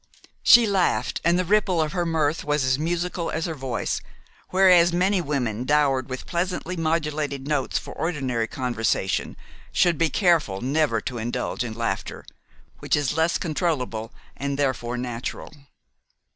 She laughed, and the ripple of her mirth was as musical as her voice, whereas many women dowered with pleasantly modulated notes for ordinary conversation should be careful never to indulge in laughter, which is less controllable and therefore natural.